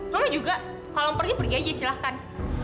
mama juga kalau mau pergi pergi aja silahkan